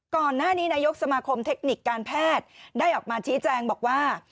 ก่อนหน้านี้นายกสมาคมเทคนิคการแพทย์ได้ออกมาชี้แจงบอกว่า